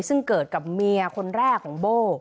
ซึ่งเกิดกับเมียคนแรกของโบ้